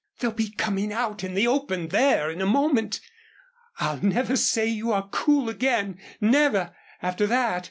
They'll be coming out in the open there in a moment. I'll never say you are cool again never after that.